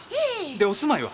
でお住まいは？